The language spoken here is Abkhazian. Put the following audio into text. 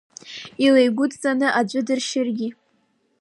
Илеигәыдҵан аӡә дыршьыргьы.